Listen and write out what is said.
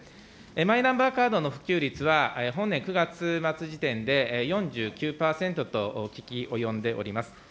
マイナンバーカードの普及率は本年９月末時点で、４９％と聞き及んでおります。